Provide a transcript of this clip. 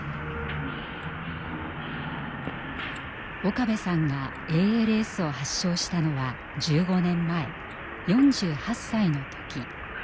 岡部さんがＡＬＳを発症したのは１５年前４８歳の時。